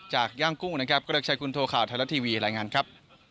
จากย่างกุ้งนะครับก็ได้ใช้คุณโทรค่าวทายลัททีวีรายงานครับ